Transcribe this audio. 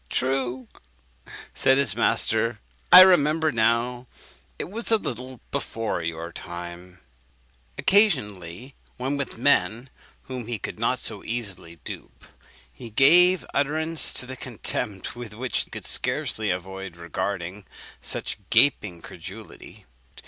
"Ah! true," said his master; "I remember now; it was a little before your time!" Occasionally, when with men whom he could not so easily dupe, he gave utterance to the contempt with which he could scarcely avoid regarding such gaping credulity.